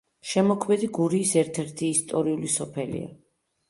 შემოქმედი გურიის ერთ-ერთი ისტორიული სოფელია.